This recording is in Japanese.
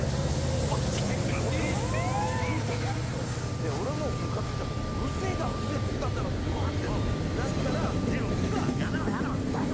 で俺もムカついたから「うるせえからうるせえっつったんだろ」っつってうわーってなったらじろう君が。